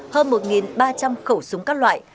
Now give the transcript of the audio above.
hơn một ba trăm linh khẩu súng các loại